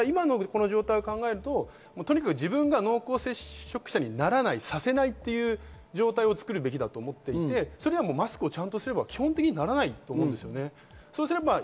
この状態を考えると、自分が濃厚接触者にならない、させないという状態を作るべきだと思っていて、マスクをちゃんとすれば、基本的にはならないと言うんですよね。